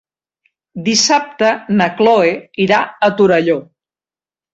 Dissabte na Cloè irà a Torelló.